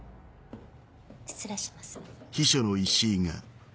失礼します。